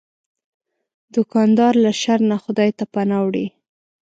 دوکاندار له شر نه خدای ته پناه وړي.